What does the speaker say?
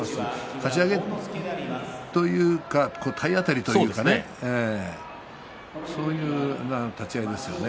かち上げというか体当たりというかねそういう立ち合いですよね。